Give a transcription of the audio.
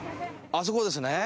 あそこですね。